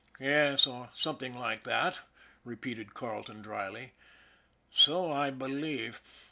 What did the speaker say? " H'm, yes ; or something like that," repeated Carle ton dryly. " So I believe.